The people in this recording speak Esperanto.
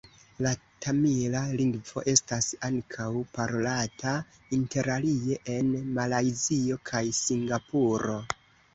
La tamila lingvo estas ankaŭ parolata interalie en Malajzio kaj Singapuro.